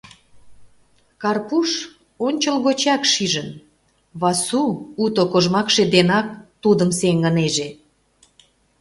Карпуш ончылгочак шижын: Васу уто кожмакше денак тудым сеҥынеже.